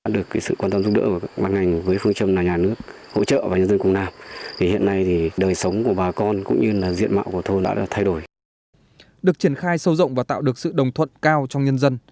được triển khai sâu rộng và tạo được sự đồng thuận cao trong nhân dân